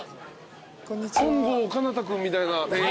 本郷奏多君みたいな店員。